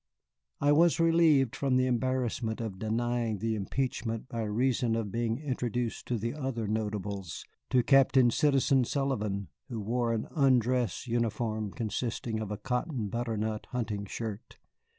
I was relieved from the embarrassment of denying the impeachment by reason of being introduced to the other notables, to Citizen Captain Sullivan, who wore an undress uniform consisting of a cotton butternut hunting shirt.